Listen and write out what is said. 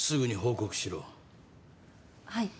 はい。